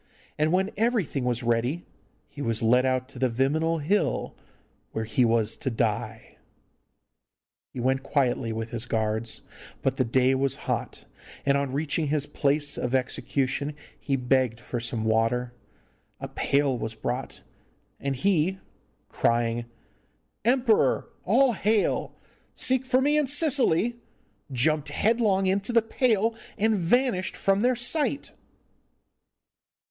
And when everything was ready he was led out to the Viminal Hill, where he was to die. He went quietly with his guards, but the day was hot, and on reaching his place of execution he begged for some water. A pail was brought, and he, crying 'Emperor, all hail! seek for me in Sicily,' jumped headlong into the pail, and vanished from their sight.